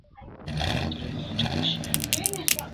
Tre muth'ik shian